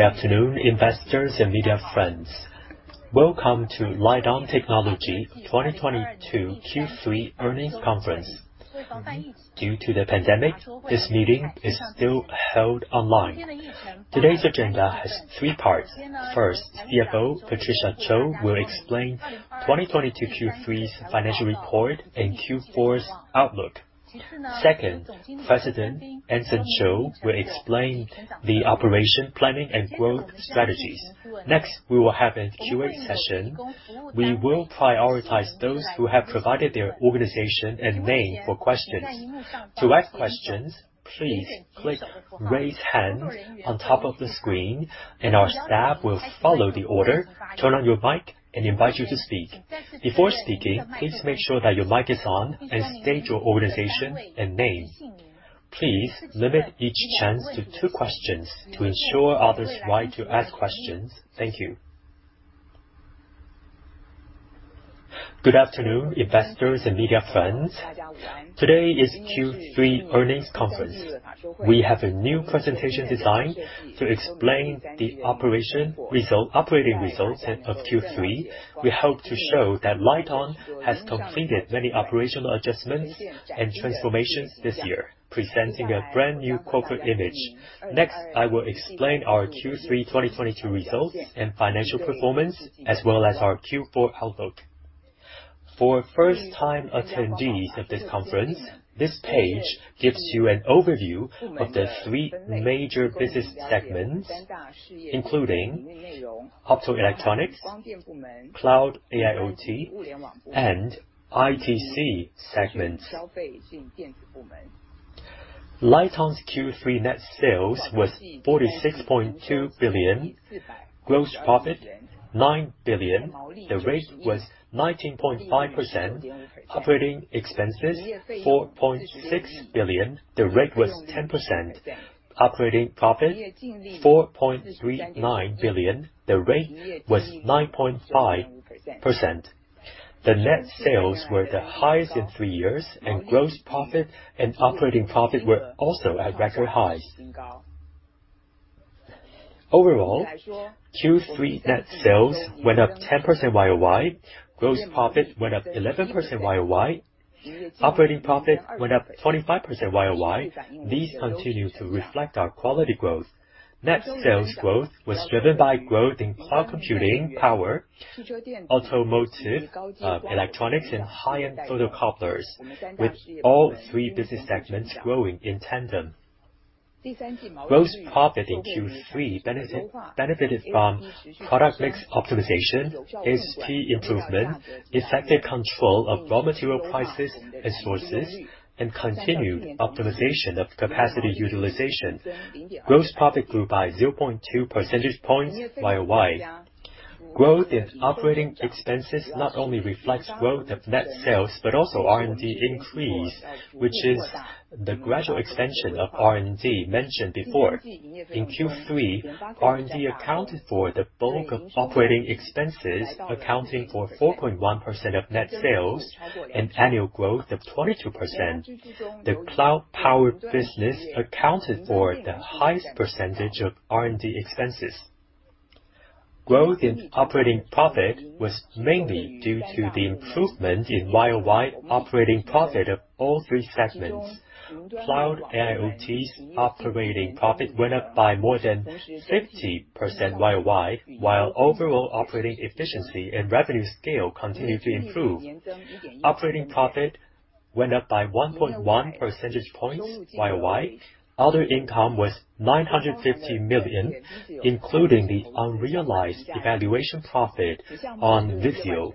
Good afternoon, investors and media friends. Welcome to Lite-On Technology 2022 Q3 Earnings Conference. Due to the pandemic, this meeting is still held online. Today's agenda has three parts. First, CFO Patricia Chou will explain 2022 Q3's financial report and Q4's outlook. Second, President Anson Chiu will explain the operation planning and growth strategies. Next, we will have a Q&A session. We will prioritize those who have provided their organization and name for questions. To ask questions, please click raise hand on top of the screen, and our staff will follow the order, turn on your mic, and invite you to speak. Before speaking, please make sure that your mic is on and state your organization and name. Please limit each chance to two questions to ensure others' right to ask questions. Thank you. Good afternoon, investors and media friends. Today is Q3 earnings conference. We have a new presentation design to explain the operating results of Q3. We hope to show that Lite-On has completed many operational adjustments and transformations this year, presenting a brand new corporate image. Next, I will explain our Q3 2022 results and financial performance, as well as our Q4 outlook. For first-time attendees of this conference, this page gives you an overview of the three major business segments, including Optoelectronics, Cloud & AIoT, and ITC segments. Lite-On's Q3 net sales was 46.2 billion, gross profit 9 billion. The rate was 19.5%. Operating expenses 4.6 billion. The rate was 10%. Operating profit 4.39 billion. The rate was 9.5%. The net sales were the highest in three years, and gross profit and operating profit were also at record highs. Overall, Q3 net sales went up 10% YoY. Gross profit went up 11% YoY. Operating profit went up 25% YoY. These continue to reflect our quality growth. Net sales growth was driven by growth in cloud computing, power, automotive, electronics and high-end photocouplers, with all three business segments growing in tandem. Gross profit in Q3 benefited from product mix optimization, SP improvement, effective control of raw material prices and sources, and continued optimization of capacity utilization. Gross profit grew by 0.2 percentage points YoY. Growth in operating expenses not only reflects growth of net sales but also R&D increase, which is the gradual expansion of R&D mentioned before. In Q3, R&D accounted for the bulk of operating expenses, accounting for 4.1% of net sales, an annual growth of 22%. The cloud power business accounted for the highest percentage of R&D expenses. Growth in operating profit was mainly due to the improvement in YoY operating profit of all three segments. Cloud & AIoT's operating profit went up by more than 50% YoY, while overall operating efficiency and revenue scale continued to improve. Operating profit went up by 1.1 percentage points YoY. Other income was 950 million, including the unrealized evaluation profit on Viziv.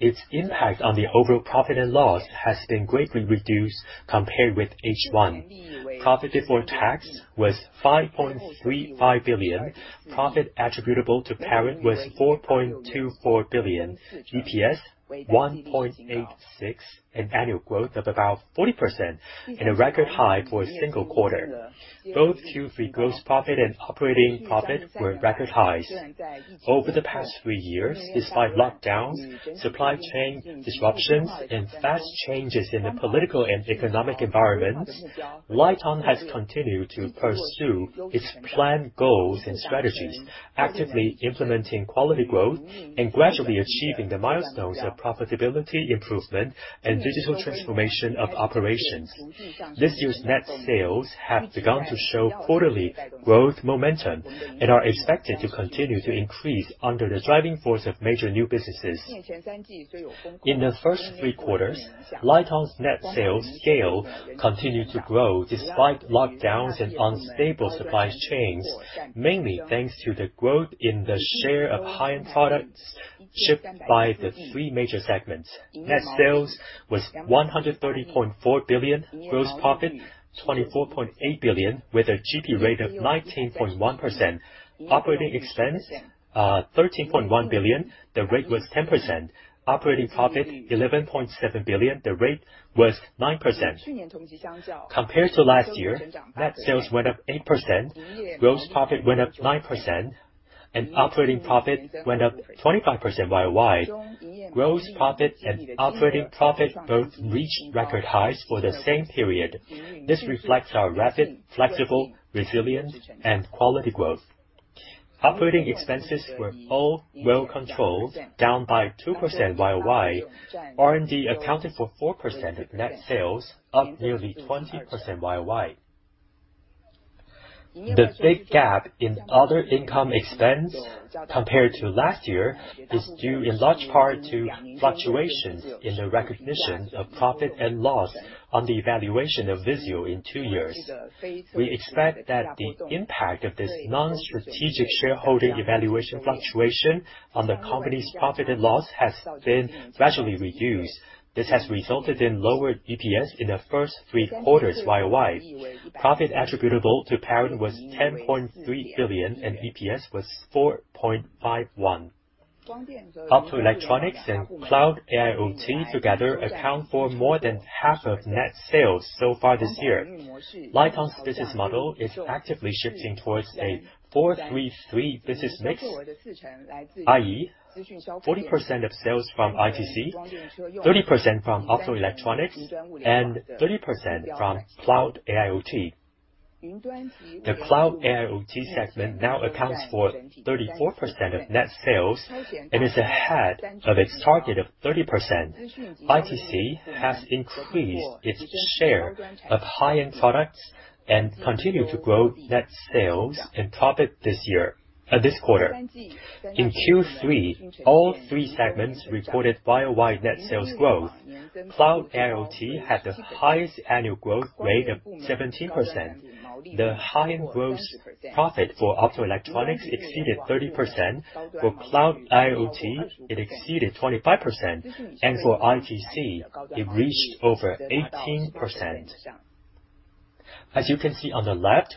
Its impact on the overall profit and loss has been greatly reduced compared with H1. Profit before tax was 5.35 billion. Profit attributable to parent was 4.24 billion. EPS 1.86, an annual growth of about 40% and a record high for a single quarter. Both Q3 gross profit and operating profit were at record highs. Over the past three years, despite lockdowns, supply chain disruptions, and fast changes in the political and economic environments, Lite-On has continued to pursue its planned goals and strategies, actively implementing quality growth and gradually achieving the milestones of profitability, improvement, and digital transformation of operations. This year's net sales have begun to show quarterly growth momentum and are expected to continue to increase under the driving force of major new businesses. In the first three quarters, Lite-On's net sales scale continued to grow despite lockdowns and unstable supply chains, mainly thanks to the growth in the share of high-end products shipped by the three major segments. Net sales was 130.4 billion. Gross profit 24.8 billion with a GP rate of 19.1%. Operating expense 13.1 billion. The rate was 10%. Operating profit 11.7 billion. The rate was 9%. Compared to last year, net sales went up 8%, gross profit went up 9%, and operating profit went up 25% YoY. Gross profit and operating profit both reached record highs for the same period. This reflects our rapid, flexible, resilient, and quality growth. Operating expenses were all well controlled, down by 2% YoY. R&D accounted for 4% of net sales, up nearly 20% YoY. The big gap in other income expense compared to last year is due in large part to fluctuations in the recognition of profit and loss on the evaluation of Viziv in two years. We expect that the impact of this non-strategic shareholding evaluation fluctuation on the company's profit and loss has been gradually reduced. This has resulted in lower EPS in the first three quarters YoY. Profit attributable to parent was 10.3 billion, and EPS was 4.51. Optoelectronics and Cloud & AIoT together account for more than half of net sales so far this year. Lite-On's business model is actively shifting towards a 4-3-3 business mix, i.e., 40% of sales from ITC, 30% from Optoelectronics, and 30% from Cloud & AIoT. The Cloud & AIoT segment now accounts for 34% of net sales, and is ahead of its target of 30%. ITC has increased its share of high-end products, and continue to grow net sales and profit this quarter. In Q3, all three segments reported YoY net sales growth. Cloud & AIoT had the highest annual growth rate of 17%. The high-end gross profit for Optoelectronics exceeded 30%. For Cloud & AIoT, it exceeded 25%. For ITC, it reached over 18%. As you can see on the left,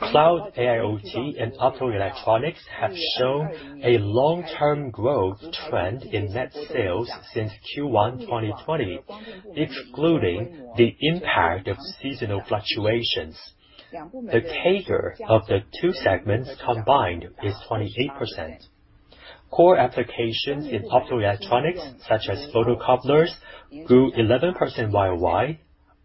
Cloud & AIoT and Optoelectronics have shown a long-term growth trend in net sales since Q1, 2020, excluding the impact of seasonal fluctuations. The CAGR of the two segments combined is 28%. Core applications in Optoelectronics, such as photocouplers, grew 11% YoY.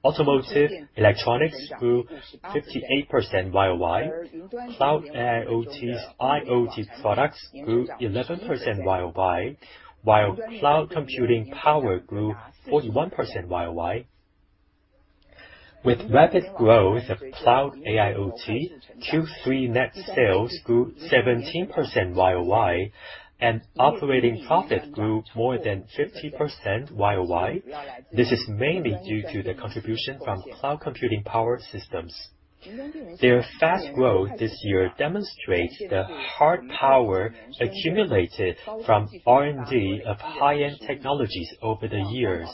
Automotive electronics grew 58% YoY. Cloud & AIoT's IoT products grew 11% YoY, while cloud computing power grew 41% YoY. With rapid growth of Cloud & AIoT, Q3 net sales grew 17% YoY, and operating profit grew more than 50% YoY. This is mainly due to the contribution from cloud computing power systems. Their fast growth this year demonstrate the hard power accumulated from R&D of high-end technologies over the years,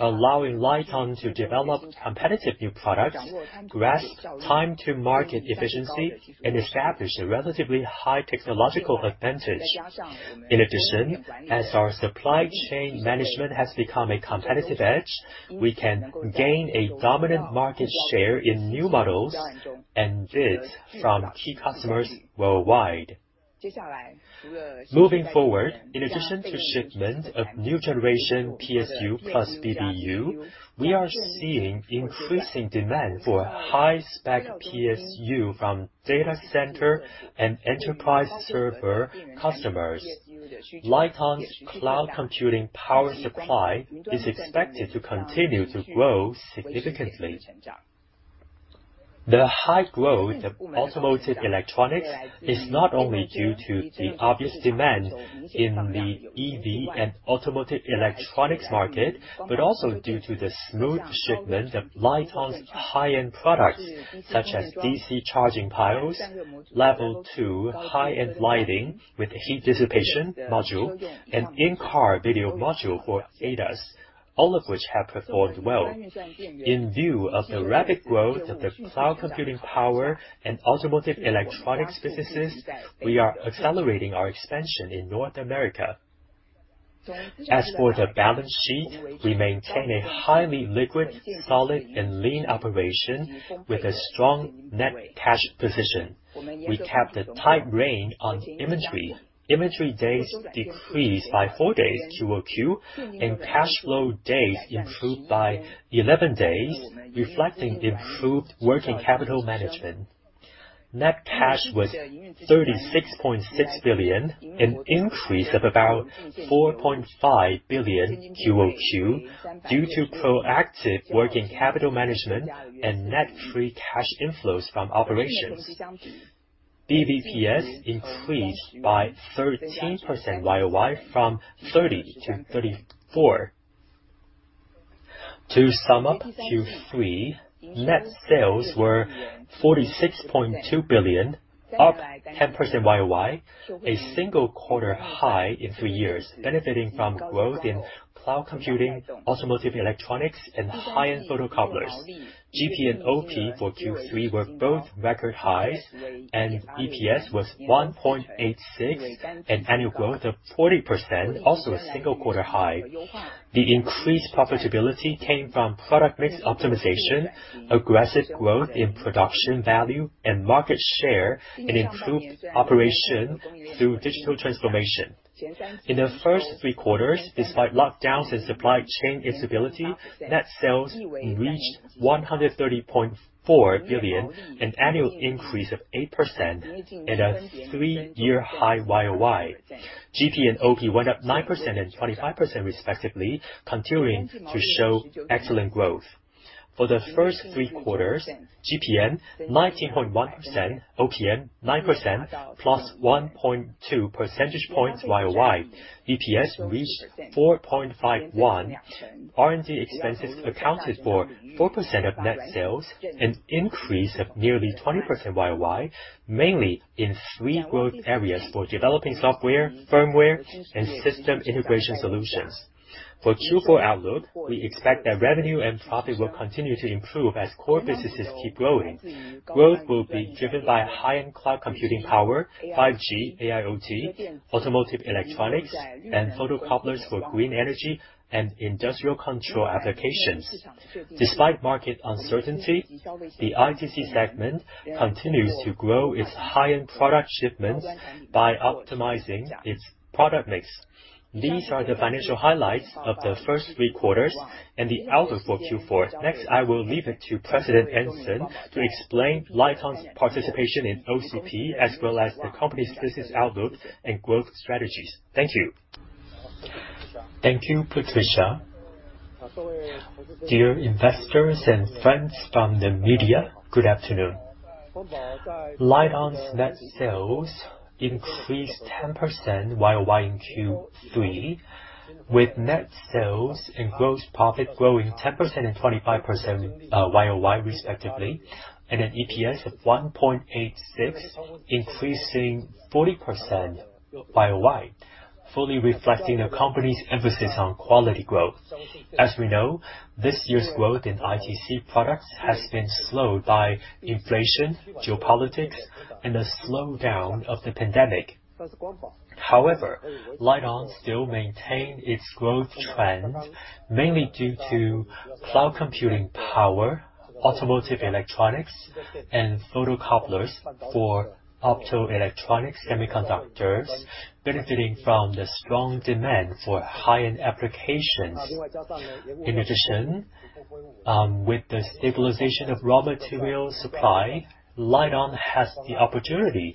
allowing Lite-On to develop competitive new products, grasp time to market efficiency, and establish a relatively high technological advantage. In addition, as our supply chain management has become a competitive edge, we can gain a dominant market share in new models and bids from key customers worldwide. Moving forward, in addition to shipment of new generation PSU plus BBU, we are seeing increasing demand for high-spec PSU from data center and enterprise server customers. Lite-On's cloud computing power supply is expected to continue to grow significantly. The high growth of automotive electronics is not only due to the obvious demand in the EV and automotive electronics market, but also due to the smooth shipment of Lite-On's high-end products, such as DC charging piles, Level 2 high-end lighting with heat dissipation module, and camera module for ADAS, all of which have performed well. In view of the rapid growth of the cloud computing power and automotive electronics businesses, we are accelerating our expansion in North America. As for the balance sheet, we maintain a highly liquid, solid, and lean operation with a strong net cash position. We kept a tight rein on inventory. Inventory days decreased by four days QoQ, and cash flow days improved by 11 days, reflecting improved working capital management. Net cash was 36.6 billion, an increase of about 4.5 billion QoQ due to proactive working capital management and net free cash inflows from operations. EBITDA increased by 13% YoY from 30-34. To sum up Q3, net sales were 46.2 billion, up 10% YoY, a single quarter high in three years, benefiting from growth in cloud computing, automotive electronics, and high-end photocouplers. GP and OP for Q3 were both record highs, and EPS was 1.86, an annual growth of 40%, also a single quarter high. The increased profitability came from product mix optimization, aggressive growth in production value and market share, and improved operation through digital transformation. In the first three quarters, despite lockdowns and supply chain instability, net sales reached 130.4 billion, an annual increase of 8% and a three-year high YoY. GP and OP went up 9% and 25% respectively, continuing to show excellent growth. For the first three quarters, GPM 19.1%, OPM 9%, +1.2 percentage points YoY. EPS reached 4.51. R&D expenses accounted for 4% of net sales, an increase of nearly 20% YoY, mainly in three growth areas for developing software, firmware, and system integration solutions. For Q4 outlook, we expect that revenue and profit will continue to improve as core businesses keep growing. Growth will be driven by high-end cloud computing power, 5G, AIoT, automotive electronics, and photocouplers for green energy and industrial control applications. Despite market uncertainty, the ITC segment continues to grow its high-end product shipments by optimizing its product mix. These are the financial highlights of the first three quarters and the outlook for Q4. Next, I will leave it to President Anson Chiu to explain Lite-On's participation in OCP, as well as the company's business outlook and growth strategies. Thank you. Thank you, Patricia Chou. Dear investors and friends from the media, good afternoon. Lite-On's net sales increased 10% YoY in Q3, with net sales and gross profit growing 10% and 25% YoY respectively, and an EPS of 1.86, increasing 40% YoY, fully reflecting the company's emphasis on quality growth. As we know, this year's growth in ITC products has been slowed by inflation, geopolitics, and the slowdown of the pandemic. However, Lite-On still maintained its growth trend, mainly due to cloud computing power, automotive electronics, and photocouplers for Optoelectronics semiconductors, benefiting from the strong demand for high-end applications. In addition, with the stabilization of raw material supply, Lite-On has the opportunity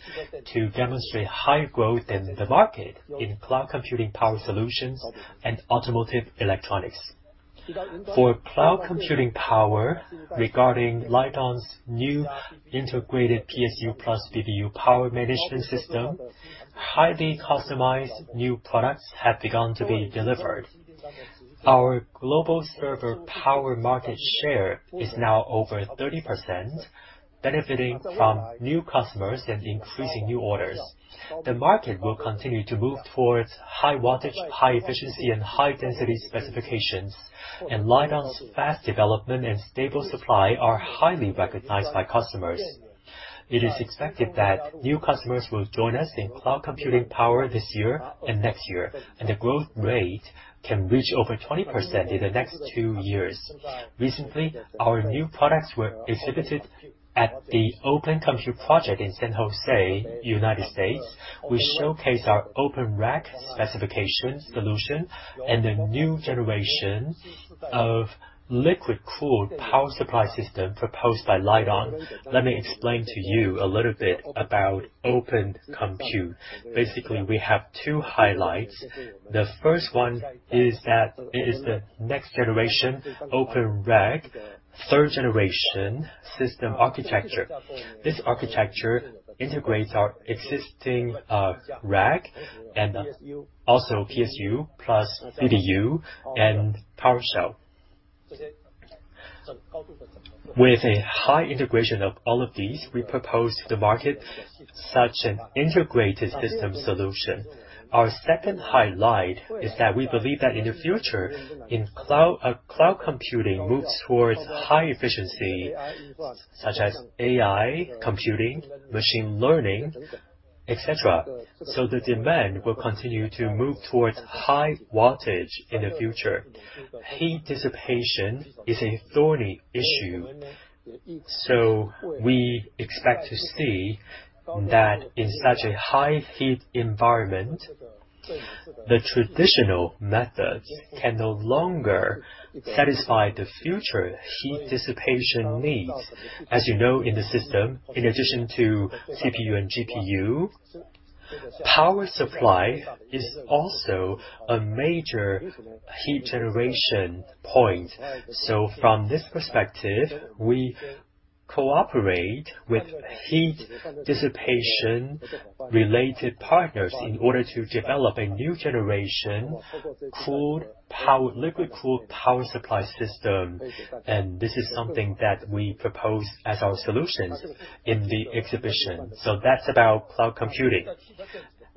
to demonstrate higher growth than the market in cloud computing power solutions and automotive electronics. For cloud computing power, regarding Lite-On's new integrated PSU plus BBU power management system, highly customized new products have begun to be delivered. Our global server power market share is now over 30%, benefiting from new customers and increasing new orders. The market will continue to move towards high wattage, high efficiency, and high density specifications, and Lite-On's fast development and stable supply are highly recognized by customers. It is expected that new customers will join us in cloud computing power this year and next year, and the growth rate can reach over 20% in the next two years. Recently, our new products were exhibited at the Open Compute Project in San Jose, United States. We showcase our Open Rack specification solution and the new generation of liquid-cooled power supply system proposed by Lite-On. Let me explain to you a little bit about Open Compute. Basically, we have two highlights. The first one is that it is the next generation Open Rack third generation system architecture. This architecture integrates our existing rack, and also PSU plus BBU and power shelf. With a high integration of all of these, we propose to the market such an integrated system solution. Our second highlight is that we believe that in the future, in cloud computing moves towards high efficiency, such as AI computing, machine learning, et cetera. The demand will continue to move towards high wattage in the future. Heat dissipation is a thorny issue, so we expect to see that in such a high heat environment, the traditional methods can no longer satisfy the future heat dissipation needs. As you know, in the system, in addition to CPU and GPU, power supply is also a major heat generation point. From this perspective, we cooperate with heat dissipation related partners in order to develop a new generation liquid-cooled power supply system. This is something that we propose as our solutions in the exhibition. That's about cloud computing.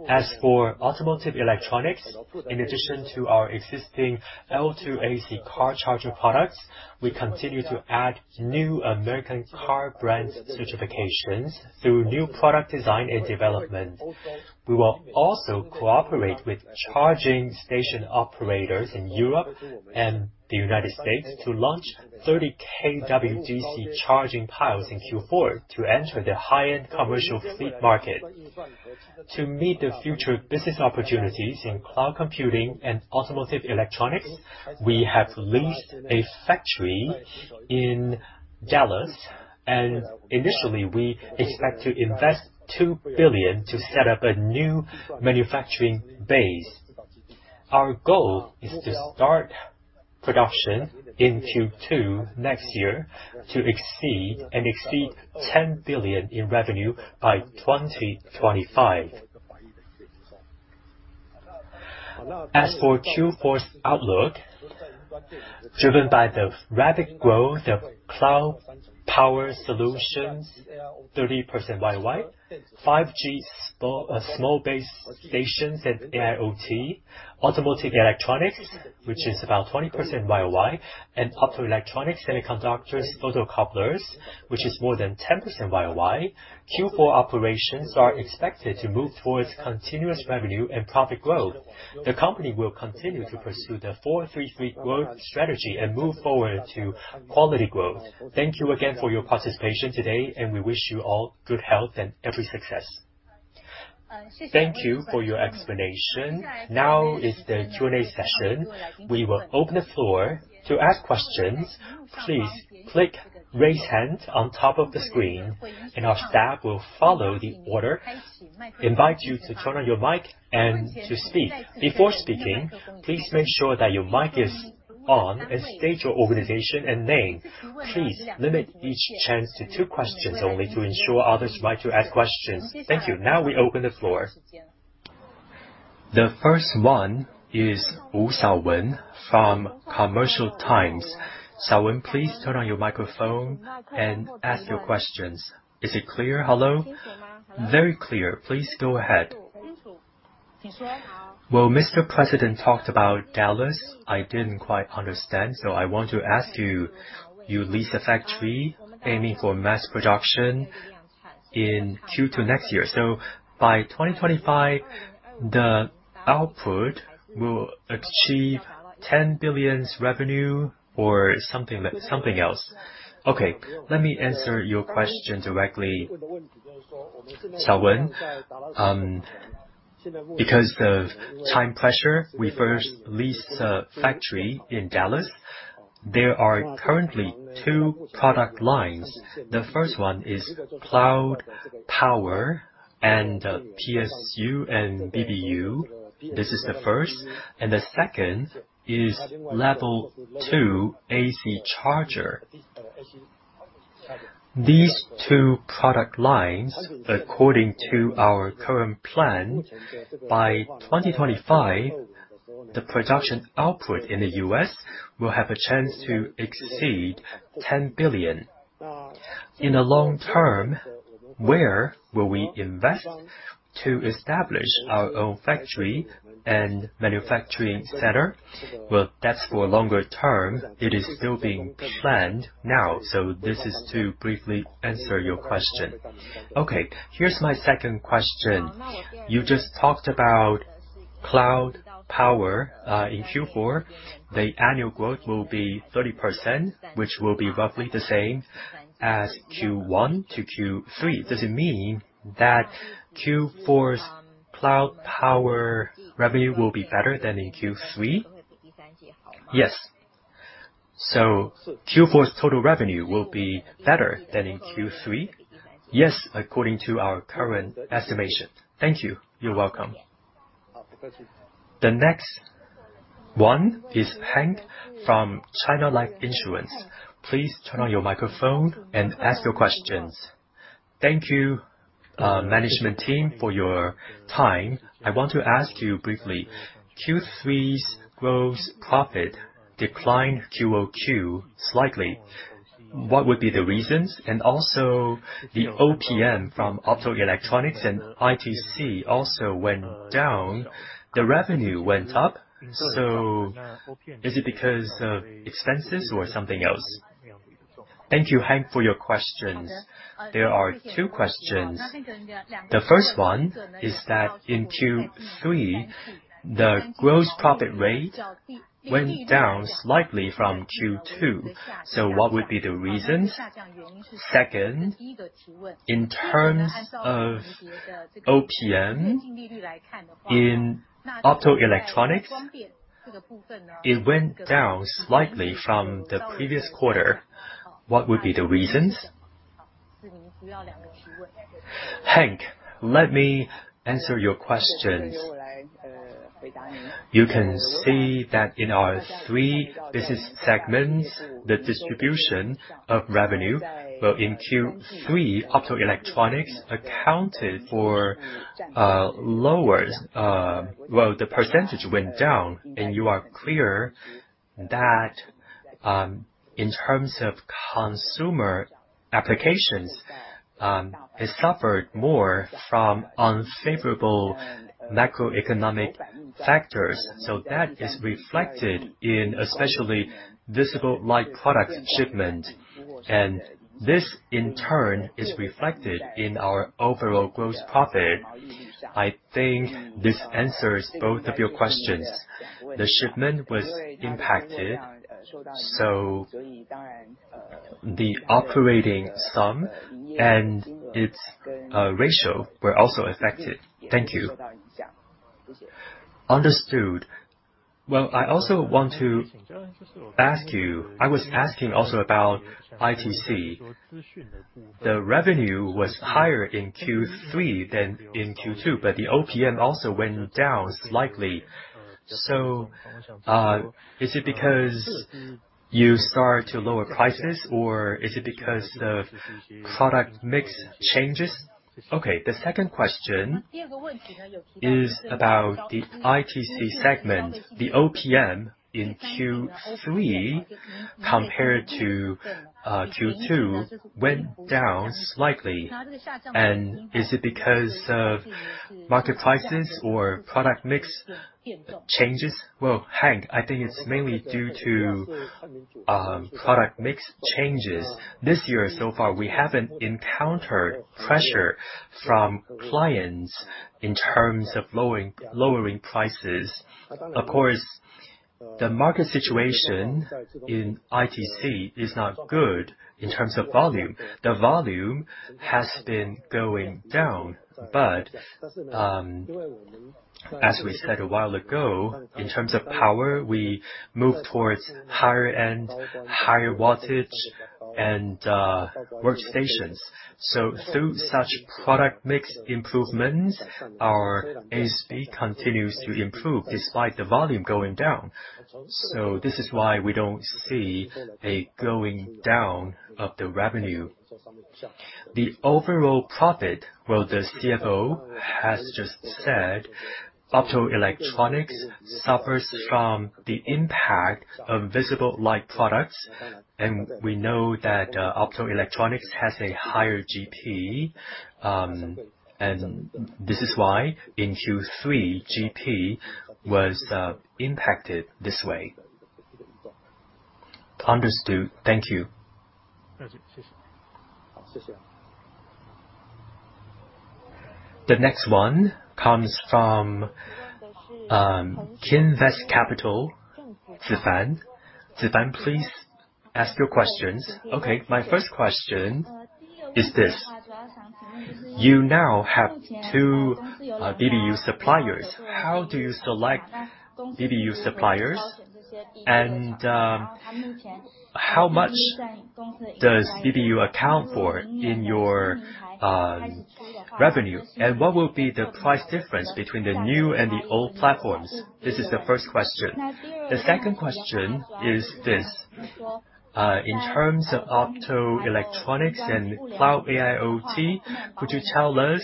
As for automotive electronics, in addition to our existing L2 AC car charger products, we continue to add new American car brand certifications through new product design and development. We will also cooperate with charging station operators in Europe and the United States to launch 30 kW DC charging piles in Q4 to enter the high-end commercial fleet market. To meet the future business opportunities in cloud computing and automotive electronics, we have leased a factory in Dallas, and initially, we expect to invest $2 billion to set up a new manufacturing base. Our goal is to start production in Q2 next year to exceed ten billion in revenue by 2025. As for Q4's outlook, driven by the rapid growth of cloud power solutions, 30% YoY, 5G small base stations and AIoT, automotive electronics, which is about 20% YoY, and Optoelectronics semiconductors, photocouplers, which is more than 10% YoY, Q4 operations are expected to move towards continuous revenue and profit growth. The company will continue to pursue the 4/3/3 growth strategy and move forward to quality growth. Thank you again for your participation today, and we wish you all good health and every success. Thank you for your explanation. Now is the Q&A session. We will open the floor. To ask questions, please click raise hand on top of the screen, and our staff will follow the order. Invite you to turn on your mic and to speak. Before speaking, please make sure that your mic is on and state your organization and name. Please limit each chance to two questions only to ensure others' right to ask questions. Thank you. Now we open the floor. The first one is Wu Shao-Wen from Commercial Times. Shao-Wen, please turn on your microphone and ask your questions. Is it clear? Hello. Very clear. Please go ahead. Well, Mr. President talked about Dallas. I didn't quite understand, so I want to ask you lease a factory aiming for mass production in Q2 next year? So by 2025, the output will achieve 10 billion revenue or something like something else? Okay, let me answer your question directly. Shao-Wen, because of time pressure, we first leased a factory in Dallas. There are currently two product lines. The first one is cloud power and PSU and BBU. This is the first, and the second is Level 2 AC charger. These two product lines, according to our current plan, by 2025, the production output in the U.S. will have a chance to exceed 10 billion. In the long term, where will we invest to establish our own factory and manufacturing center? Well, that's for longer term. It is still being planned now, so this is to briefly answer your question. Okay, here's my second question. You just talked about cloud power in Q4. The annual growth will be 30%, which will be roughly the same as Q1 to Q3. Does it mean that Q4's cloud power revenue will be better than in Q3? Yes. So Q4's total revenue will be better than in Q3? Yes, according to our current estimation. Thank you. You're welcome. The next one is Hank from China Life Insurance. Please turn on your microphone and ask your questions. Thank you, management team for your time. I want to ask you briefly, Q3's gross profit declined QoQ slightly. What would be the reasons? And also the OPM from Optoelectronics and ITC also went down. The revenue went up, so is it because of expenses or something else? Thank you, Hank, for your questions. There are two questions. The first one is that in Q3, the gross profit rate went down slightly from Q2. What would be the reasons? Second, in terms of OPM in Optoelectronics, it went down slightly from the previous quarter. What would be the reasons? Hank, let me answer your questions. You can see that in our three business segments, the distribution of revenue, in Q3, Optoelectronics accounted for lower, the percentage went down, and it's clear that, in terms of consumer applications, it suffered more from unfavorable macroeconomic factors. That is reflected in especially visible light product shipment. This, in turn, is reflected in our overall gross profit. I think this answers both of your questions. The shipment was impacted, so the operating profit and its margin were also affected. Thank you. Understood. I also want to ask you. I was also asking about ITC. The revenue was higher in Q3 than in Q2, but the OPM also went down slightly. Is it because you start to lower prices or is it because of product mix changes? Okay, the second question is about the ITC segment. The OPM in Q3 compared to Q2 went down slightly. Is it because of market prices or product mix changes? Well, Hank, I think it's mainly due to product mix changes. This year so far, we haven't encountered pressure from clients in terms of lowering prices. Of course, the market situation in ITC is not good in terms of volume. The volume has been going down. As we said a while ago, in terms of power, we move towards higher end, higher wattage and workstations. Through such product mix improvements, our ASP continues to improve despite the volume going down. This is why we don't see a going down of the revenue. The overall profit, the CFO has just said Optoelectronics suffers from the impact of visible light products, and we know that Optoelectronics has a higher GP, and this is why in Q3, GP was impacted this way. Understood. Thank you. Thank you. The next one comes from Kinvest Capital, Zi-Fan. Zi-Fan, please ask your questions. Okay. My first question is this, You now have two BBU suppliers. How do you select BBU suppliers? And how much does BBU account for in your revenue? And what will be the price difference between the new and the old platforms? This is the first question. The second question is this. In terms of Optoelectronics and Cloud AIoT, could you tell us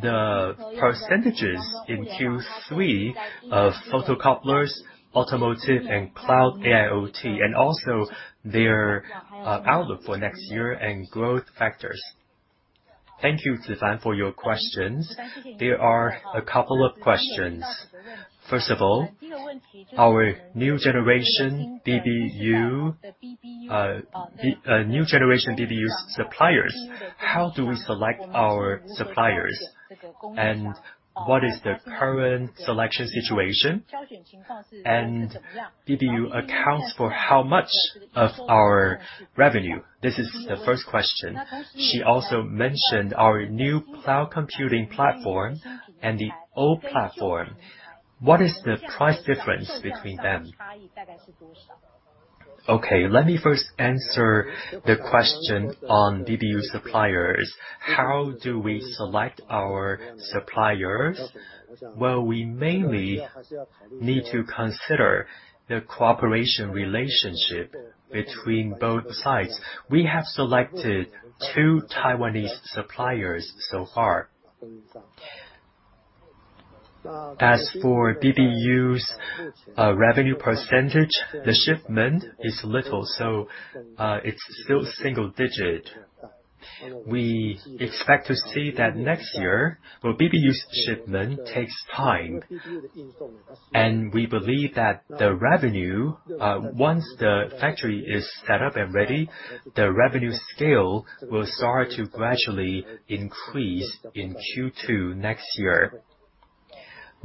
the percentages in Q3 of photocouplers, automotive, and Cloud AIoT, and also their outlook for next year and growth factors? Thank you, Zi-Fan, for your questions. There are a couple of questions. First of all, our new generation BBU, the new generation BBU suppliers, how do we select our suppliers? And what is the current selection situation? And BBU accounts for how much of our revenue? This is the first question. She also mentioned our new cloud computing platform and the old platform. What is the price difference between them? Okay, let me first answer the question on BBU suppliers. How do we select our suppliers? Well, we mainly need to consider the cooperation relationship between both sides. We have selected two Taiwanese suppliers so far. As for BBU's revenue percentage, the shipment is little, so it's still single-digit%. We expect to see that next year. Well, BBU's shipment takes time. We believe that the revenue, once the factory is set up and ready, the revenue scale will start to gradually increase in Q2 next year.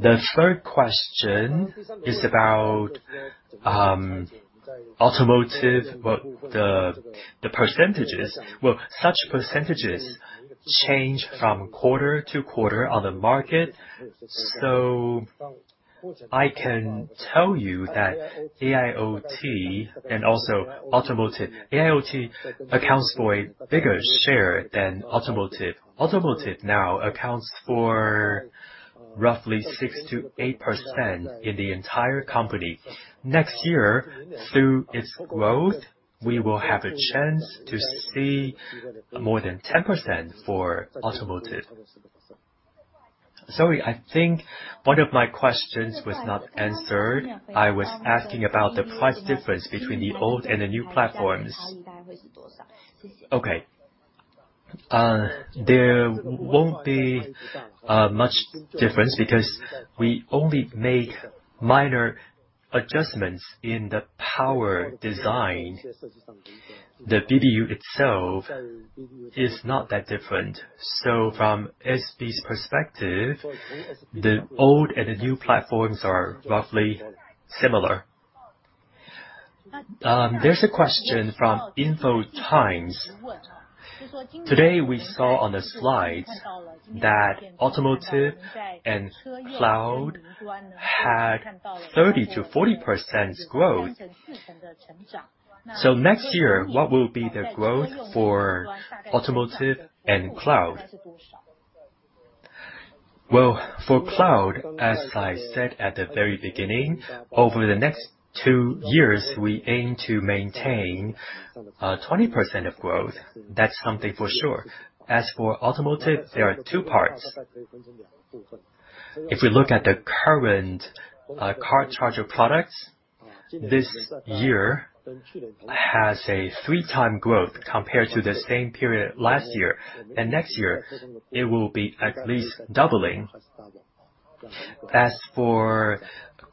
The third question is about automotive, well, the percentages. Well, such percentages change from quarter to quarter on the market. I can tell you that AIoT and also automotive. AIoT accounts for a bigger share than automotive. Automotive now accounts for roughly 6%-8% in the entire company. Next year, through its growth, we will have a chance to see more than 10% for automotive. Sorry, I think one of my questions was not answered. I was asking about the price difference between the old and the new platforms. Okay. There won't be much difference because we only make minor adjustments in the power design. The BBU itself is not that different. So from SB's perspective, the old and the new platforms are roughly similar. There's a question from InfoTimes. Today, we saw on the slides that automotive and cloud had 30%-40% growth. Next year, what will be the growth for automotive and cloud? Well, for cloud, as I said at the very beginning, over the next two years, we aim to maintain 20% of growth. That's something for sure. As for automotive, there are two parts. If we look at the current car charger products, this year has a three-time growth compared to the same period last year, and next year, it will be at least doubling. As for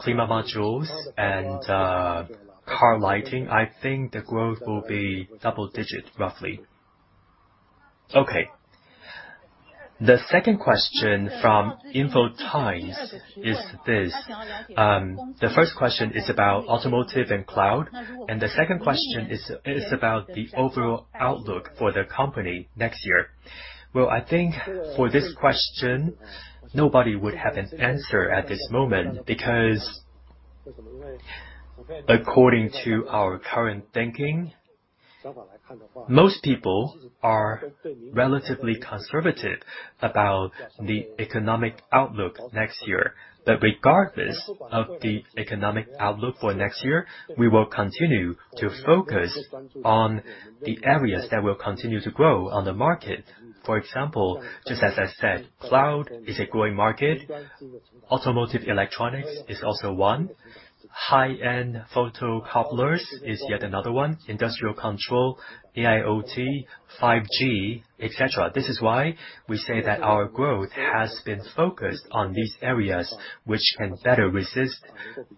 camera modules and car lighting, I think the growth will be double-digit, roughly. Okay. The second question from InfoTimes is this. The first question is about automotive and cloud, and the second question is about the overall outlook for the company next year. Well, I think for this question, nobody would have an answer at this moment because according to our current thinking, most people are relatively conservative about the economic outlook next year. Regardless of the economic outlook for next year, we will continue to focus on the areas that will continue to grow on the market. For example, just as I said, cloud is a growing market, automotive electronics is also one, high-end photocouplers is yet another one, industrial control, AIoT, 5G, etc. This is why we say that our growth has been focused on these areas which can better resist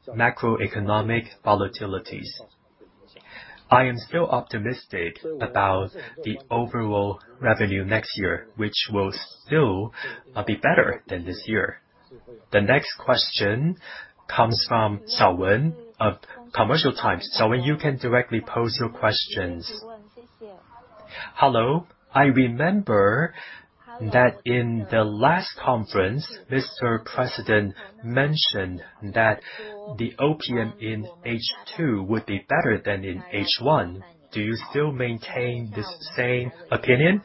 macroeconomic volatilities. I am still optimistic about the overall revenue next year, which will still be better than this year. The next question comes from Shao-Wen Wang of Commercial Times. Shao-Wen Wang, you can directly pose your questions. Hello. I remember that in the last conference, Mr. President mentioned that the OPM in H2 would be better than in H1. Do you still maintain this same opinion?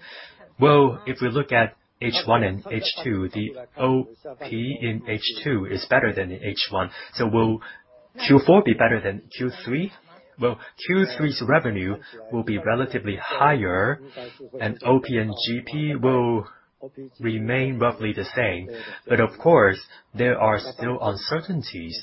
Well, if we look at H1 and H2, the OP in H2 is better than in H1. Will Q4 be better than Q3? Well, Q3's revenue will be relatively higher and OPM GP will remain roughly the same. Of course, there are still uncertainties.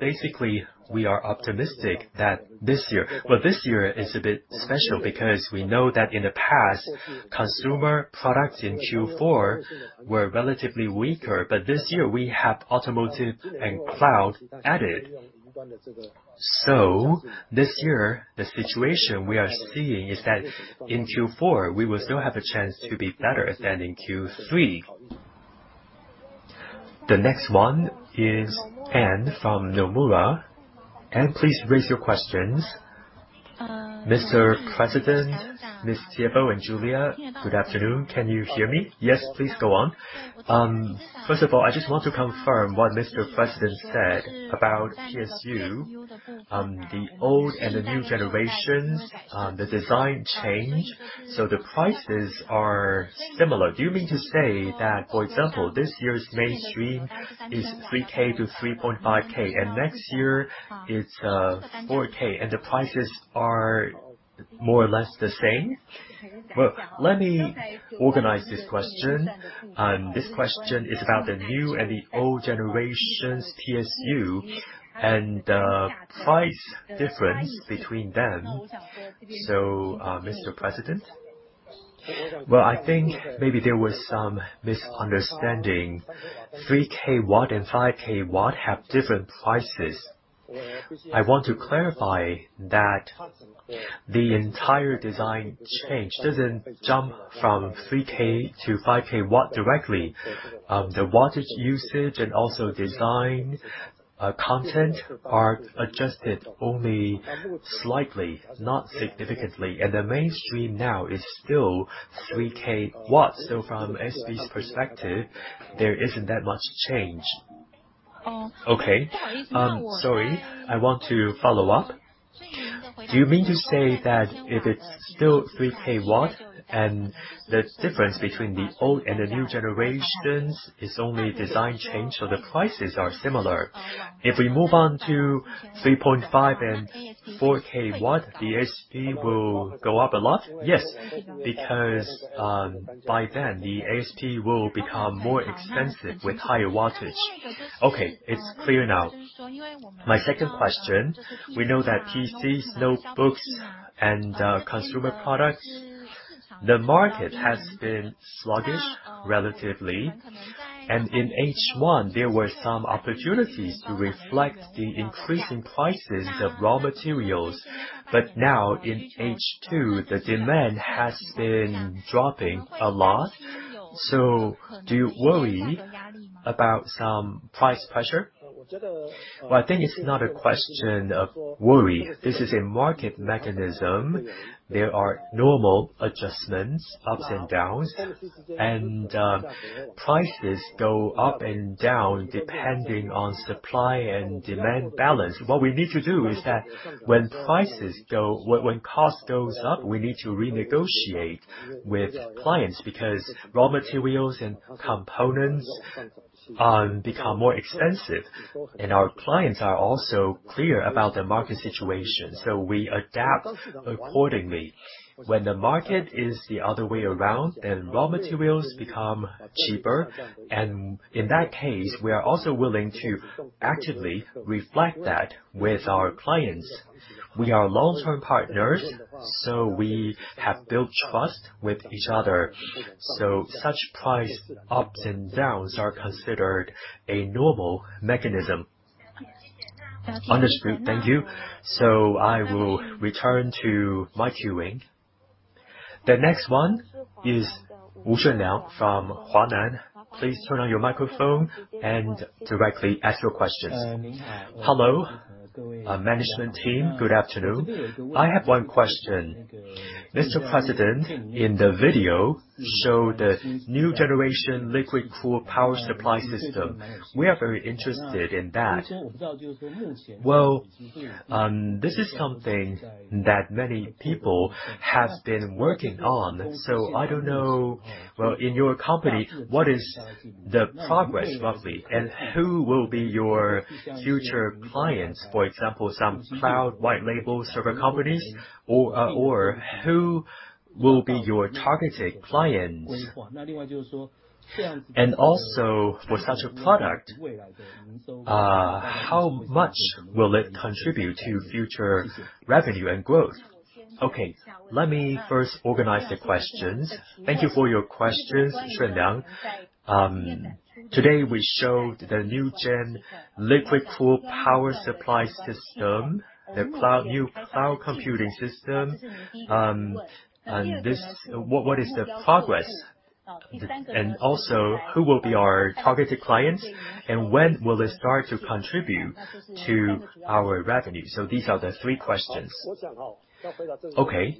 Basically, we are optimistic that this year. Well, this year is a bit special because we know that in the past, consumer products in Q4 were relatively weaker, but this year we have automotive and cloud added. This year, the situation we are seeing is that in Q4, we will still have a chance to be better than in Q3. The next one is Anne from Nomura. Anne, please raise your questions. Mr. President, Miss Jiebo and Julia, good afternoon. Can you hear me? Yes, please go on. First of all, I just want to confirm what Mr. President said about PSU, the old and the new generations, the design change. The prices are similar. Do you mean to say that, for example, this year's mainstream is 3K to 3.5K, and next year it's, 4K, and the prices are more or less the same? Well, let me organize this question. This question is about the new and the old generations PSU and the price difference between them. Mr. President? Well, I think maybe there was some misunderstanding. 3K watt and 5K watt have different prices. I want to clarify that the entire design change doesn't jump from 3K to 5K watt directly. The wattage usage and also design, content are adjusted only slightly, not significantly. The mainstream now is still 3K watts. From SB's perspective, there isn't that much change. Okay. Sorry, I want to follow up. Do you mean to say that if it's still 3 kilowatt and the difference between the old and the new generations is only design change, so the prices are similar. If we move on to 3.5 and 4 kilowatt, the ASP will go up a lot? Yes, because, by then the ASP will become more expensive with higher wattage. Okay. It's clear now. My second question. We know that PCs, notebooks, and consumer products, the market has been sluggish relatively. In H1, there were some opportunities to reflect the increasing prices of raw materials. Now in H2, the demand has been dropping a lot. Do you worry about some price pressure? Well, I think it's not a question of worry. This is a market mechanism. There are normal adjustments, ups and downs, and prices go up and down depending on supply and demand balance. What we need to do is that when cost goes up, we need to renegotiate with clients because raw materials and components become more expensive, and our clients are also clear about the market situation, so we adapt accordingly. When the market is the other way around, then raw materials become cheaper, and in that case, we are also willing to actively reflect that with our clients. We are long-term partners, so we have built trust with each other. Such price ups and downs are considered a normal mechanism. Understood. Thank you. I will return to my queuing. The next one is Wu Shen-Liang from Hua Nan. Please turn on your microphone and directly ask your questions. Hello, management team. Good afternoon. I have one question. Mr. President, in the video you showed the new generation liquid cooling power supply system. We are very interested in that. Well, this is something that many people have been working on, so I don't know, well, in your company, what is the progress roughly, and who will be your future clients? For example, some cloud white label server companies or who will be your targeted clients? And also, for such a product, how much will it contribute to future revenue and growth? Okay, let me first organize the questions. Thank you for your questions, Shen-Liang. Today we showed the new gen liquid cool power supply system, the new cloud computing system, and this. What is the progress, and also who will be our targeted clients, and when will they start to contribute to our revenue? These are the three questions. Okay.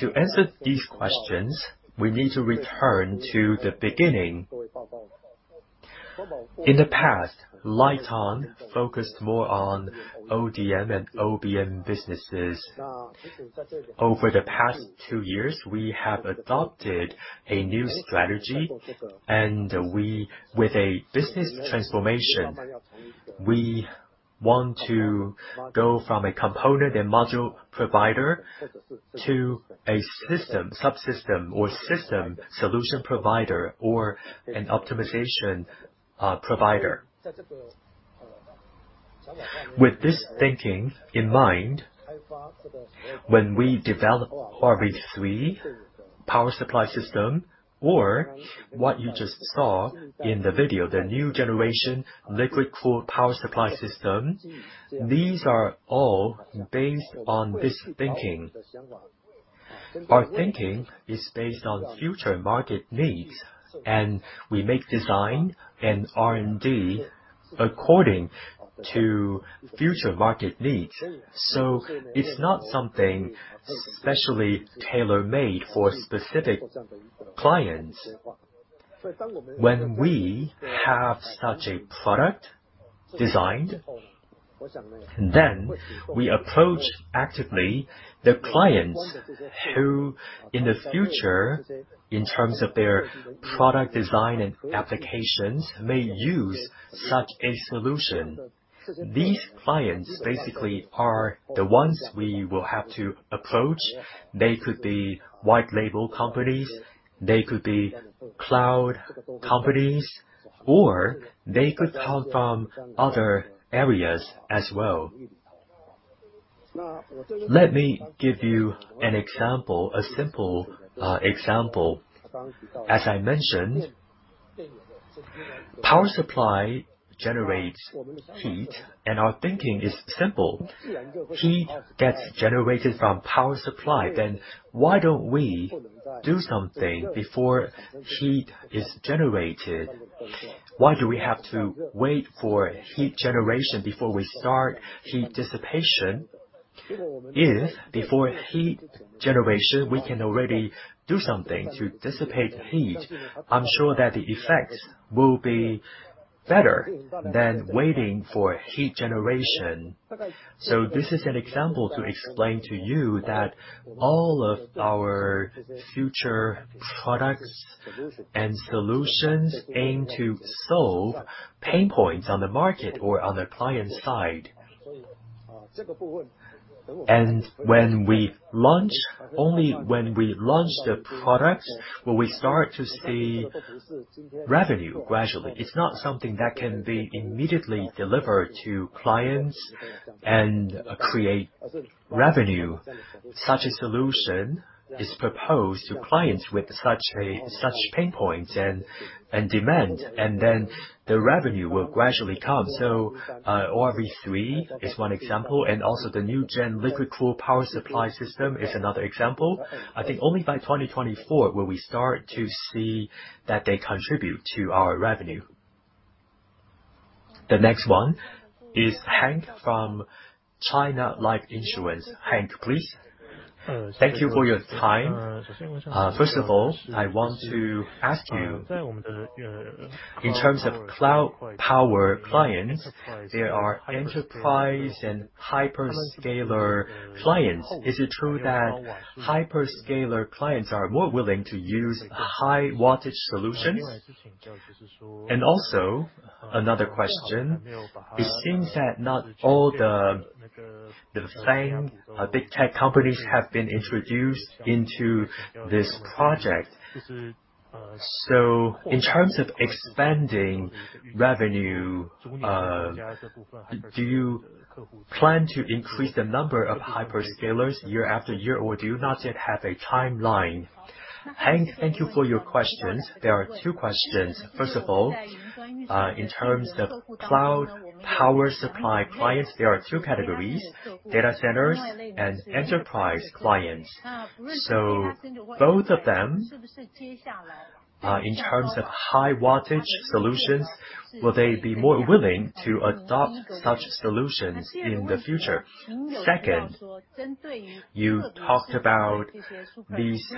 To answer these questions, we need to return to the beginning. In the past, Lite-On focused more on ODM and OBM businesses. Over the past two years, we have adopted a new strategy, and with a business transformation, we want to go from a component and module provider to a system, subsystem or system solution provider or an optimization provider. With this thinking in mind, when we develop ORv3 power supply system or what you just saw in the video, the new generation liquid-cooled power supply system, these are all based on this thinking. Our thinking is based on future market needs, and we make design and R&D according to future market needs. It's not something specially tailor-made for specific clients. When we have such a product designed, then we approach actively the clients who in the future, in terms of their product design and applications, may use such a solution. These clients basically are the ones we will have to approach. They could be white label companies, they could be cloud companies, or they could come from other areas as well. Let me give you an example, a simple example. As I mentioned, power supply generates heat, and our thinking is simple. Heat gets generated from power supply, then why don't we do something before heat is generated? Why do we have to wait for heat generation before we start heat dissipation? If before heat generation, we can already do something to dissipate heat, I'm sure that the effects will be better than waiting for heat generation. This is an example to explain to you that all of our future products and solutions aim to solve pain points on the market or on the client side. Only when we launch the product will we start to see revenue gradually. It's not something that can be immediately delivered to clients and create revenue. Such a solution is proposed to clients with such pain points and demand, and then the revenue will gradually come. ORv3 is one example, and also the new gen liquid cooling power supply system is another example. I think only by 2024 will we start to see that they contribute to our revenue. The next one is Hank from China Life Insurance. Hank, please. Thank you for your time. First of all, I want to ask you, in terms of cloud power clients, there are enterprise and hyperscaler clients. Is it true that hyperscaler clients are more willing to use high wattage solutions? Also another question, it seems that not all the FAANG big tech companies have been introduced into this project. In terms of expanding revenue, do you plan to increase the number of hyperscalers year after year, or do you not yet have a timeline? Hank, thank you for your questions. There are two questions. First of all, in terms of cloud power supply clients, there are two categories, data centers and enterprise clients. So both of them, in terms of high wattage solutions, will they be more willing to adopt such solutions in the future? Second, you talked about these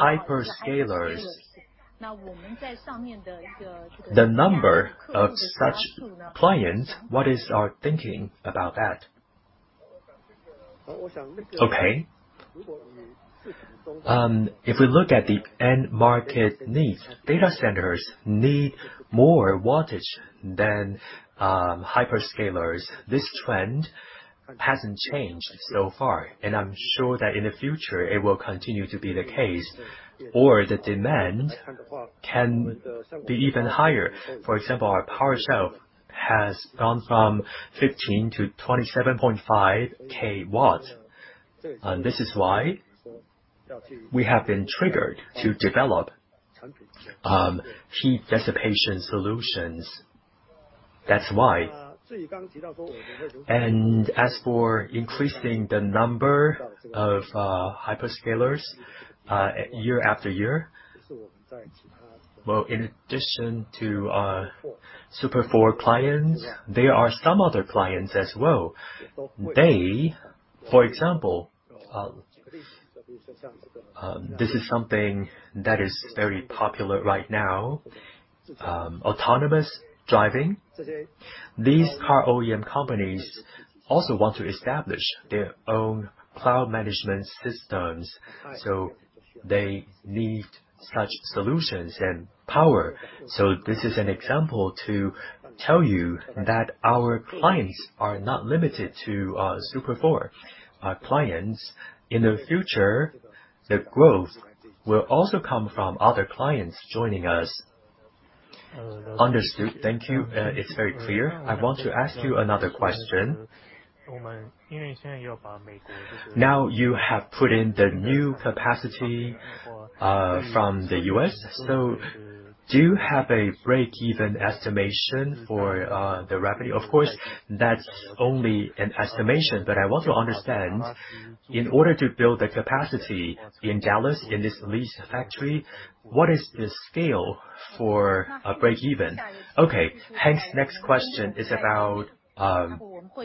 hyperscalers. The number of such clients, what is our thinking about that? Okay. If we look at the end market needs, data centers need more wattage than hyperscalers. This trend hasn't changed so far, and I'm sure that in the future it will continue to be the case, or the demand can be even higher. For example, our power shelf has gone from 15-27.5 kW. This is why we have been triggered to develop heat dissipation solutions. That's why. As for increasing the number of hyperscalers year after year. Well, in addition to Super 4 clients, there are some other clients as well. They, for example, this is something that is very popular right now, autonomous driving. These car OEM companies also want to establish their own cloud management systems, so they need such solutions and power. This is an example to tell you that our clients are not limited to Super 4. Our clients in the future, the growth will also come from other clients joining us. Understood. Thank you. It's very clear. I want to ask you another question. Now you have put in the new capacity from the U.S., so do you have a break-even estimation for the revenue? Of course, that's only an estimation, but I want to understand, in order to build the capacity in Dallas in this leased factory, what is the scale for a break-even? Okay. Hank's next question is about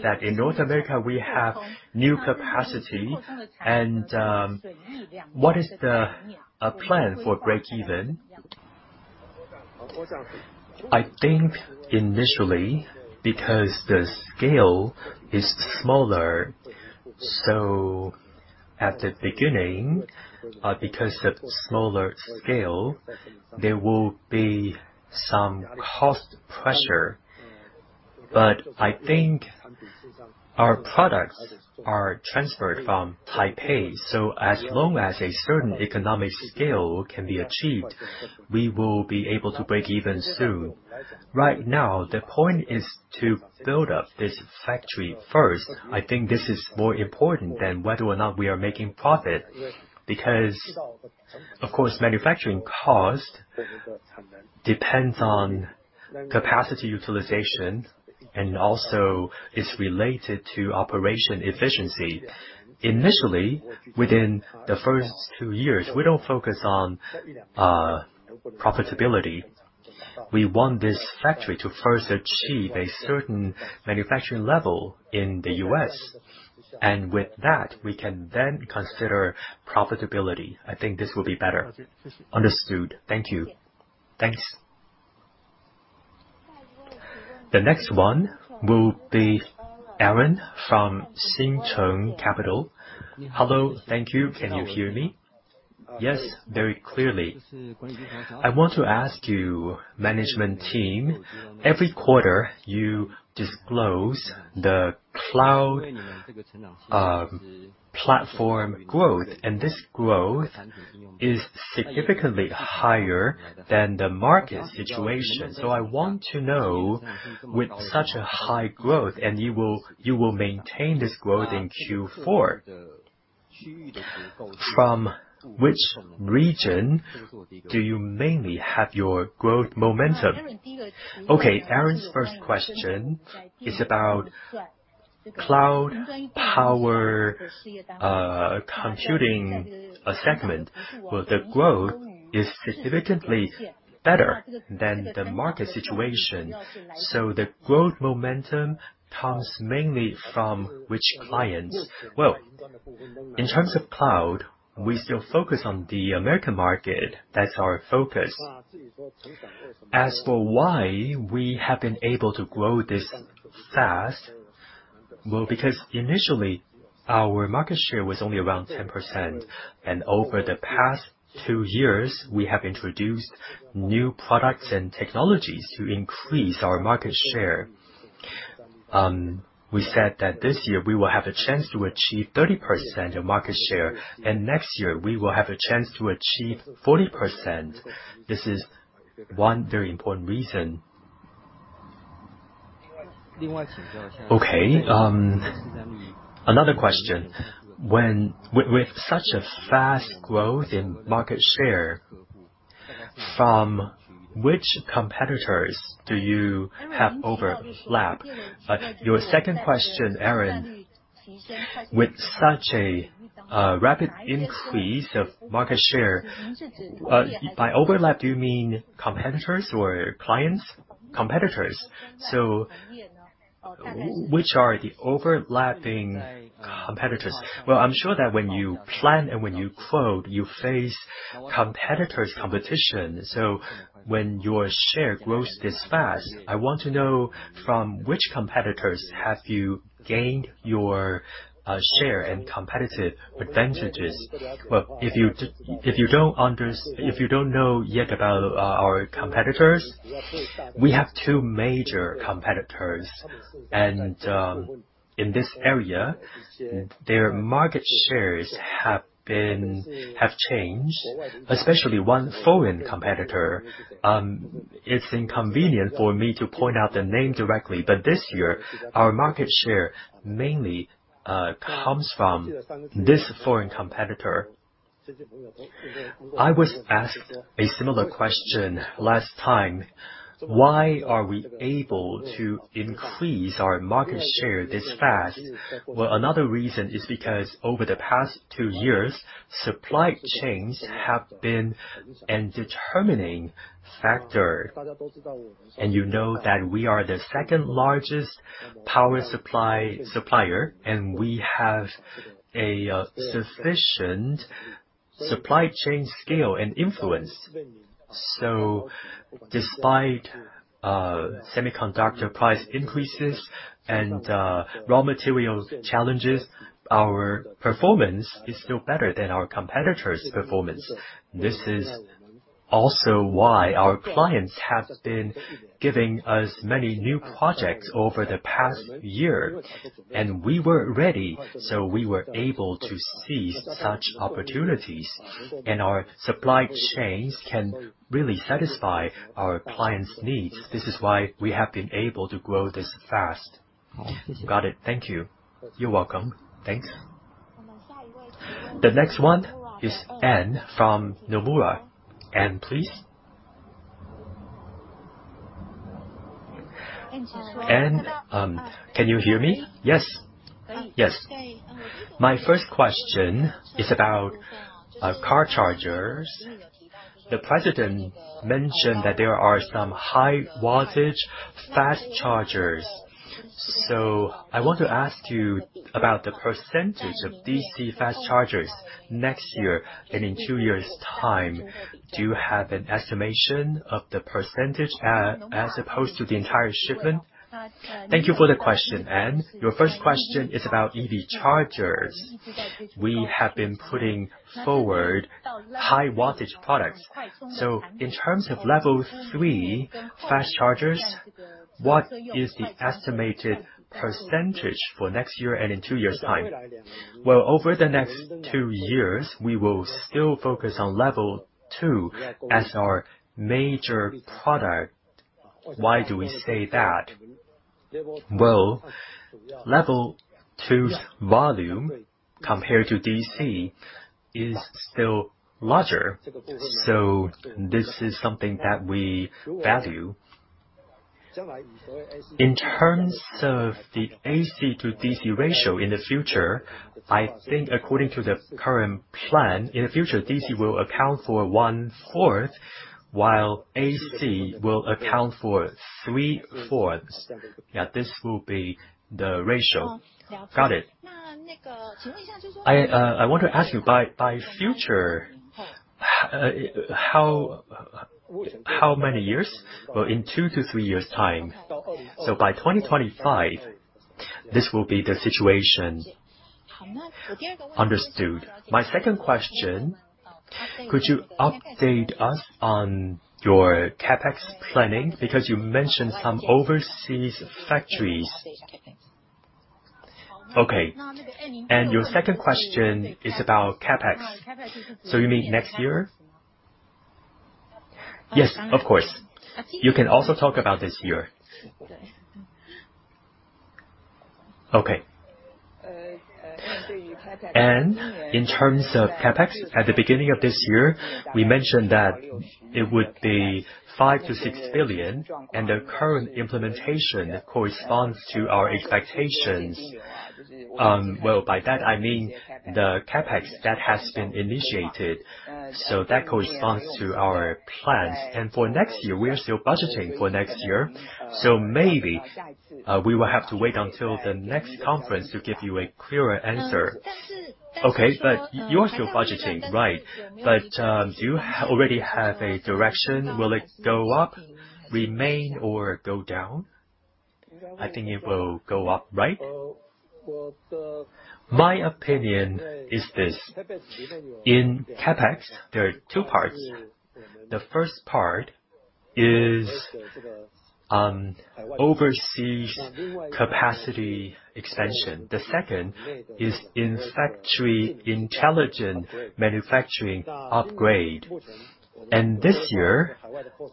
that in North America we have new capacity and what is the plan for break-even? I think initially because the scale is smaller, so at the beginning, because of smaller scale, there will be some cost pressure. I think our products are transferred from Taipei, so as long as a certain economic scale can be achieved, we will be able to break even soon. Right now, the point is to build up this factory first. I think this is more important than whether or not we are making profit, because of course, manufacturing cost depends on capacity utilization and also is related to operation efficiency. Initially, within the first two years, we don't focus on profitability. We want this factory to first achieve a certain manufacturing level in the U.S. With that, we can then consider profitability. I think this will be better. Understood. Thank you. Thanks. The next one will be Aaron from Decheng Capital. Hello. Thank you. Can you hear me? Yes, very clearly. I want to ask your management team, every quarter, you disclose the cloud platform growth, and this growth is significantly higher than the market situation. I want to know, with such a high growth, and you will maintain this growth in Q4. From which region do you mainly have your growth momentum? Okay. Aaron's first question is about cloud power computing segment. Well, the growth is significantly better than the market situation. The growth momentum comes mainly from which clients? Well, in terms of cloud, we still focus on the American market. That's our focus. As for why we have been able to grow this fast, well, because initially, our market share was only around 10%, and over the past two years, we have introduced new products and technologies to increase our market share. We said that this year we will have a chance to achieve 30% of market share, and next year we will have a chance to achieve 40%. This is one very imp ortant reason. Okay. Another question. With such a fast growth in market share, from which competitors do you have overlap? Your second question, Aaron. With such a rapid increase of market share, by overlap, do you mean competitors or clients? Competitors. So which are the overlapping competitors? Well, I'm sure that when you plan and when you quote, you face competitors' competition. So when your share grows this fast, I want to know from which competitors have you gained your share and competitive advantages. Well, if you don't know yet about our competitors, we have two major competitors. In this area, their market shares have changed, especially one foreign competitor. It's inconvenient for me to point out the name directly, but this year, our market share mainly comes from this foreign competitor. I was asked a similar question last time. Why are we able to increase our market share this fast? Well, another reason is because over the past two years, supply chains have been a determining factor. You know that we are the second largest power supply supplier, and we have a sufficient supply chain scale and influence. Despite semiconductor price increases and raw materials challenges, our performance is still better than our competitors' performance. This is also why our clients have been giving us many new projects over the past year. We were ready, so we were able to seize such opportunities, and our supply chains can really satisfy our clients' needs. This is why we have been able to grow this fast. Got it. Thank you. You're welcome. Thanks. The next one is Anne from Nomura. Anne, please. Anne, can you hear me? Yes. Yes. My first question is about car chargers. The president mentioned that there are some high-wattage fast chargers. I want to ask you about the percentage of DC fast chargers next year and in two years' time. Do you have an estimation of the percentage, as opposed to the entire shipment? Thank you for the question, Anne. Your first question is about EV chargers. We have been putting forward high-wattage products. In terms of Level 3 fast chargers, what is the estimated percentage for next year and in two years' time? Well, over the next two years, we will still focus on Level 2 as our major product. Why do we say that? Well, Level 2's volume, compared to DC, is still larger, so this is something that we value. In terms of the AC to DC ratio in the future, I think according to the current plan, in the future, DC will account for 1/4, while AC will account for 3/4. Yeah, this will be the ratio. Oh, got it. I want to ask you by future, how many years? Well, in 2-3 years' time. By 2025, this will be the situation. Understood. My second question, could you update us on your CapEx planning? Because you mentioned some overseas factories. Okay. Your second question is about CapEx. You mean next year? Yes, of course. You can also talk about this year. Okay. In terms of CapEx, at the beginning of this year, we mentioned that it would be 5 billion-6 billion, and the current implementation corresponds to our expectations. Well, by that I mean the CapEx that has been initiated. That corresponds to our plans. For next year, we are still budgeting for next year. Maybe, we will have to wait until the next conference to give you a clearer answer. Okay. You're still budgeting, right? Do you already have a direction? Will it go up, remain, or go down? I think it will go up, right? My opinion is this. In CapEx, there are two parts. The first part is overseas capacity expansion. The second is in-factory intelligent manufacturing upgrade. This year,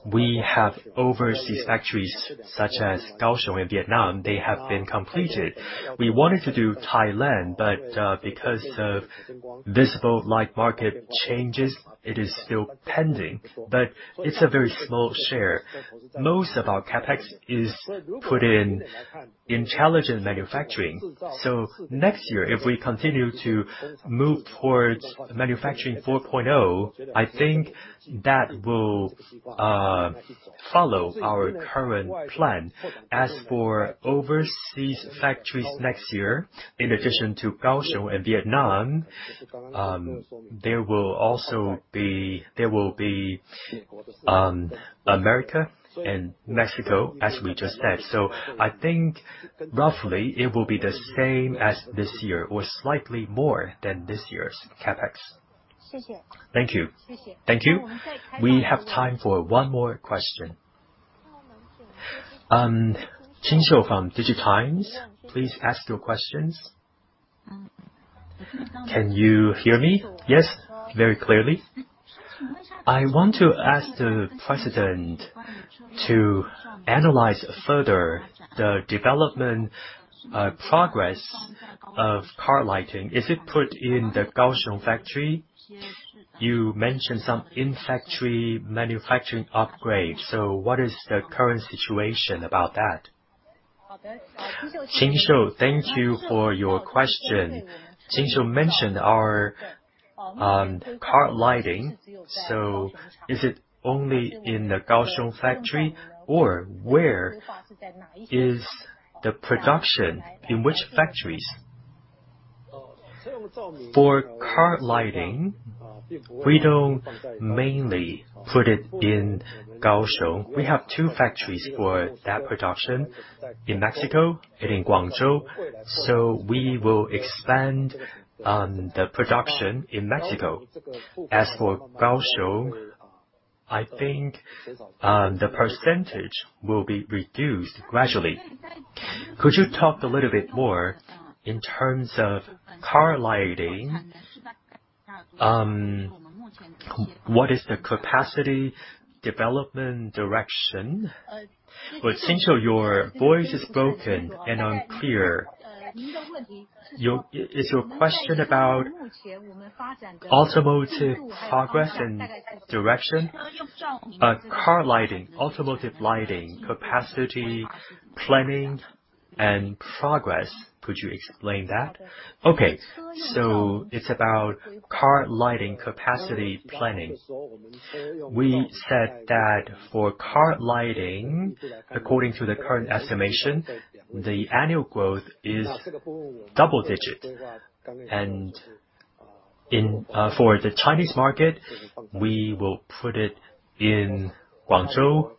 we have overseas factories such as Kaohsiung and Vietnam. They have been completed. We wanted to do Thailand, but because of visible light market changes, it is still pending. It's a very small share. Most of our CapEx is put in intelligent manufacturing. Next year, if we continue to move towards Manufacturing 4.0, I think that will follow our current plan. As for overseas factories next year, in addition to Kaohsiung and Vietnam, there will be America and Mexico, as we just said. I think roughly it will be the same as this year or slightly more than this year's CapEx. Thank you. Thank you. We have time for one more question. Shin-So Cho from DigiTimes, please ask your questions. Can you hear me? Yes, very clearly. I want to ask the president to analyze further the development, progress of car lighting. Is it put in the Kaohsiung factory? You mentioned some in-factory manufacturing upgrade, so what is the current situation about that? Shinso, thank you for your question. Shinso mentioned our, car lighting. Is it only in the Kaohsiung factory or where is the production? In which factories? For car lighting, we don't mainly put it in Kaohsiung. We have two factories for that production, in Mexico and in Guangzhou. We will expand on the production in Mexico. As for Kaohsiung, I think, the percentage will be reduced gradually. Could you talk a little bit more in terms of car lighting? What is the capacity development direction? Well, Shinso, your voice is broken and unclear. Is your question about automotive progress and direction? Car lighting, automotive lighting, capacity planning and progress. Could you explain that? Okay, so it's about car lighting capacity planning. We said that for car lighting, according to the current estimation, the annual growth is double-digit. For the Chinese market, we will put it in Guangzhou,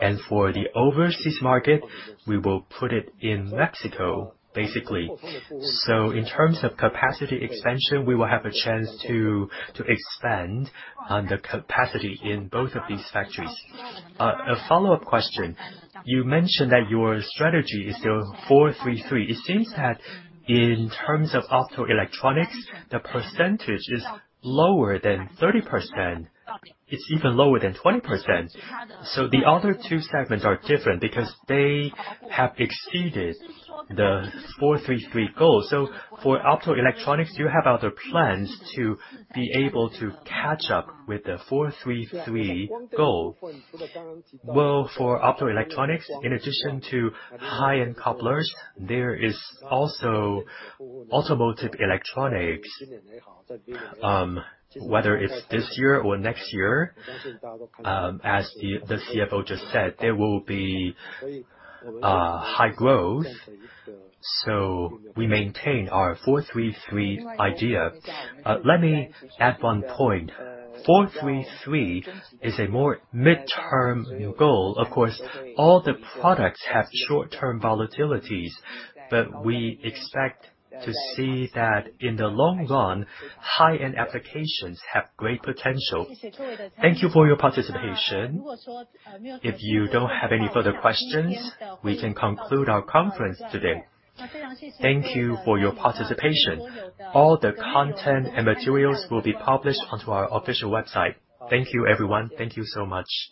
and for the overseas market, we will put it in Mexico, basically. In terms of capacity expansion, we will have a chance to expand on the capacity in both of these factories. A follow-up question. You mentioned that your strategy is the 4-3-3. It seems that in terms of Optoelectronics, the percentage is lower than 30%. It's even lower than 20%. The other two segments are different because they have exceeded the 4-3-3 goal. For Optoelectronics, do you have other plans to be able to catch up with the 4-3-3 goal? Well, for Optoelectronics, in addition to high-end couplers, there is also automotive electronics. Whether it's this year or next year, as the CFO just said, there will be high growth. We maintain our 4-3-3 idea. Let me add one point. 4-3-3 is a more midterm goal. Of course, all the products have short-term volatilities, but we expect to see that in the long run, high-end applications have great potential. Thank you for your participation. If you don't have any further questions, we can conclude our conference today. Thank you for your participation. All the content and materials will be published onto our official website. Thank you, everyone. Thank you so much.